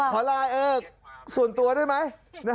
ขอไลน์ส่วนตัวได้ไหม